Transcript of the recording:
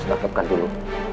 saya sedangkan dulu